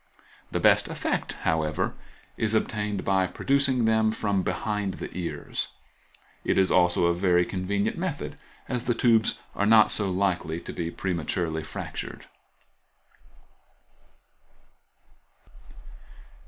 The best effect, however, is obtained by producing them from behind the ears; it is also a very convenient method, as the tubes are not so likely to be prematurely fractured.